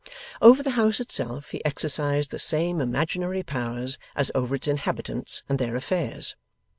Over the house itself, he exercised the same imaginary power as over its inhabitants and their affairs.